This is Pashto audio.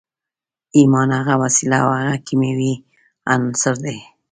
ايمان هغه وسيله او هغه کيمياوي عنصر دی.